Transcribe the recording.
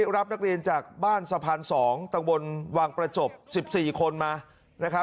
รับนักเรียนจากบ้านสะพาน๒ตรงบนวังประจบ๑๔คนมา